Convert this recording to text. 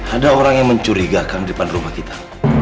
ada orang yang mencurigakan di depan rumah kita